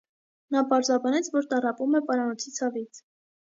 Նա պարզաբանեց, որ տառապում է պարանոցի ցավից։